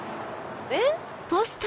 えっ⁉